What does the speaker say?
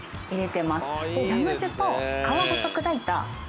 ラム酒と皮ごと砕いたナッツ。